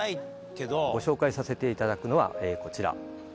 ご紹介させていただくのは、こちら。